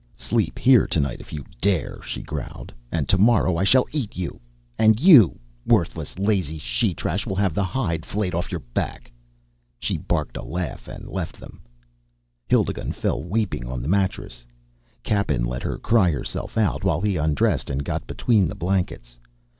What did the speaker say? "Sleep here tonight, if you dare," she growled. "And tomorrow I shall eat you and you, worthless lazy she trash, will have the hide flayed off your back!" She barked a laugh and left them. Hildigund fell weeping on the mattress. Cappen let her cry herself out while he undressed and got between the blankets.